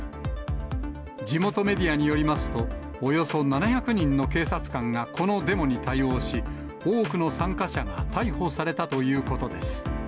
地元メディアによりますと、およそ７００人の警察官がこのデモに対応し、多くの参加者が逮捕されたということです。